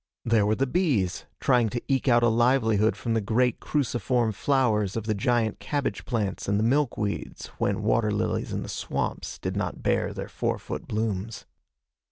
There were the bees, trying to eke out a livelihood from the great, cruciform flowers of the giant cabbage plants and the milkweeds when water lilies in the swamps did not bear their four foot blooms.